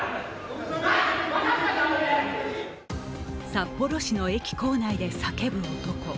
札幌市の駅構内で叫ぶ男。